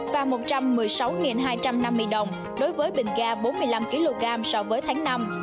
và một trăm một mươi sáu hai trăm năm mươi đồng đối với bình ga bốn mươi năm kg so với tháng năm